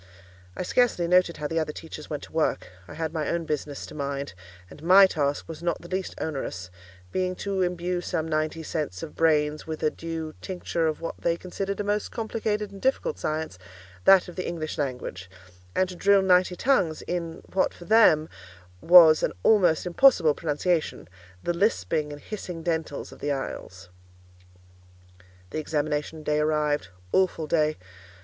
I scarcely noted how the other teachers went to work; I had my own business to mind; and my task was not the least onerous, being to imbue some ninety sets of brains with a due tincture of what they considered a most complicated and difficult science, that of the English language; and to drill ninety tongues in what, for them, was an almost impossible pronunciation—the lisping and hissing dentals of the Isles. The examination day arrived. Awful day!